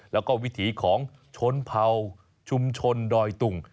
แล้วก็วิถีของชนเผ่าชุมชนดอยตุง